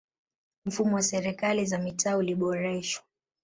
mfumo wa serikali za mitaa uliboreshwa